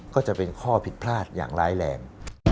ก็จะเป็นข้อผิดพลาดอย่างร้ายแรง